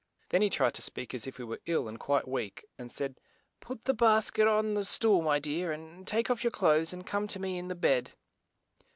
Then he tried to speak as if he were ill and quite weak; and said, "Put the bas ket on the stool my dear, and take off your clothes, and come to me in the bed."